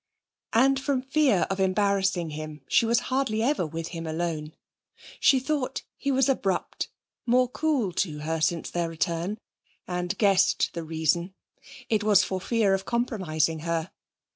And from fear of embarrassing him she was hardly ever with him alone. She thought he was abrupt, more cool to her since their return, and guessed the reason; it was for fear of compromising her.